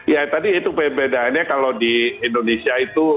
ya tadi itu perbedaannya kalau di indonesia itu